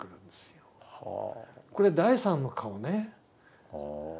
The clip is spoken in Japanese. これ第３の顔ね。